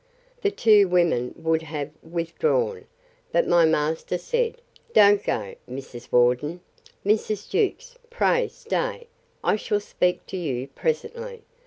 The two women would have withdrawn: but my master said, Don't go, Mrs. Worden: Mrs. Jewkes, pray stay; I shall speak to you presently.